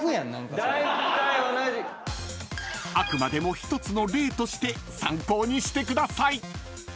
［あくまでも１つの例として参考にしてください］